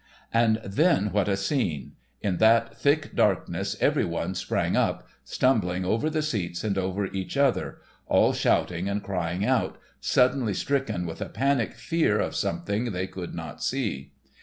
And then what a scene! In that thick darkness every one sprang up, stumbling over the seats and over each other, all shouting and crying out, suddenly stricken with a panic fear of something they could not see.